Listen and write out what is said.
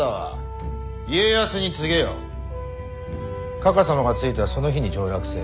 かか様が着いたその日に上洛せえ。